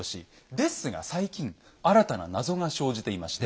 ですが最近新たな謎が生じていまして。